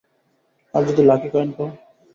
আর যদি lucky coin পাও?